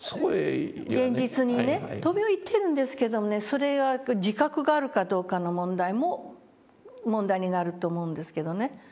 現実にね飛び降りてるんですけどもねそれが自覚があるかどうかの問題になると思うんですけどね。